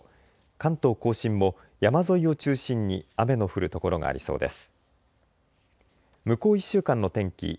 関東甲信も山沿いを中心に雨の降る所がありそうです。